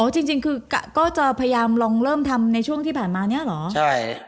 จริงคือก็จะพยายามลองเริ่มทำในช่วงที่ผ่านมาเนี่ยเหรอ